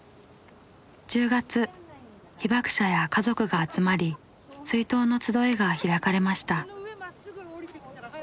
１０月被爆者や家族が集まり追悼の集いが開かれました。